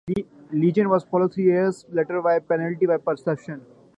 "Legions" was followed three years later by "Penalty by Perception".